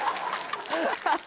ハハハハ！